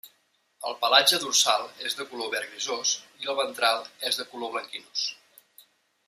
El pelatge dorsal és de color verd grisós i el ventral és de color blanquinós.